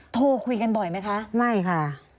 โทรคุยกันบ่อยไหมคะ